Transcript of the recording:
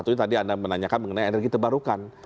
tadi anda menanyakan mengenai energi terbarukan